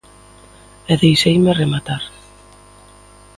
E deixeime rematar.